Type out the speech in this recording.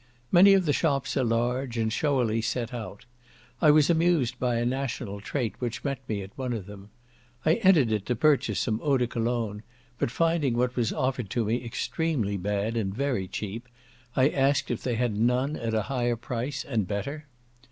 Many of the shops are large, and showily set out. I was amused by a national trait which met me at one of them. I entered it to purchase some eau de Cologne, but finding what was offered to me extremely bad, and very cheap, I asked if they had none at a higher price, and better.